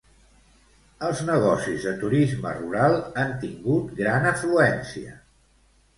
Els negocis de turisme rural han tingut gran afluència.